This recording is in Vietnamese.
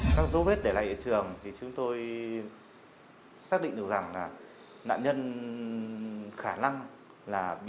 các dấu vết để lại hiện trường thì chúng tôi xác định được rằng là nạn nhân khám nghiệm tử thi là không phải là hành vi